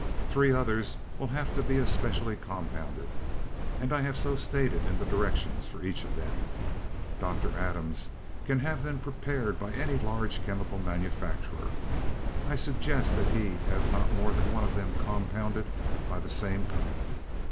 Three others will have to be especially compounded and I have so stated in the directions for each of them. Dr. Adams can have them prepared by any large chemical manufacturer; I suggest that he have not more than one of them compounded by the same company.